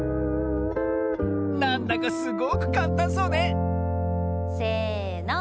なんだかすごくかんたんそうねせの。